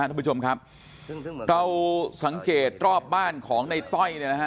ทุกผู้ชมครับเราสังเกตรอบบ้านของในต้อย